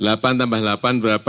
lapan tambah lapan berapa